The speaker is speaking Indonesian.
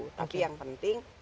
tapi yang penting